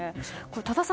多田さん